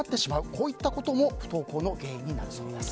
こういったことも不登校の原因になるそうです。